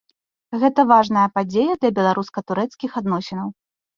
Гэта важная падзея для беларуска-турэцкіх адносінаў.